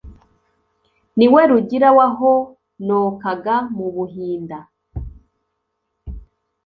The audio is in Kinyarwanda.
ni we rugira wahonokaga mu buhinda.